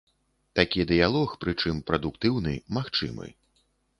Такі дыялог, прычым прадуктыўны, магчымы.